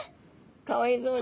かわいそうに。